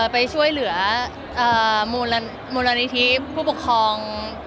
ไปช่วยเหลือมูลนิธิผู้ปกครอง